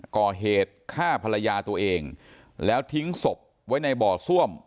ก่อเหตุฆ่าภรรยาตัวเองแล้วทิ้งศพไว้ในบ่อซ่วม